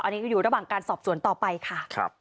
อันนี้ก็อยู่ระหว่างการสอบสวนต่อไปค่ะ